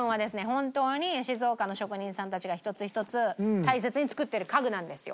本当に静岡の職人さんたちが一つ一つ大切に作っている家具なんですよ。